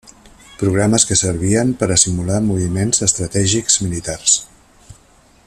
Programes que servien per a simular moviments estratègics militars.